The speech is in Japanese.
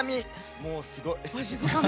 もう、すごい！